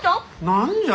何じゃ？